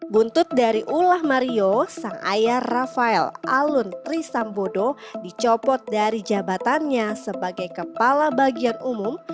buntut dari ulah mario sang ayah rafael alun trisambodo dicopot dari jabatannya sebagai kepala bagian umum